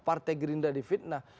partai gerindra di fitnah